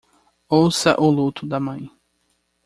Ouça o luto da mãe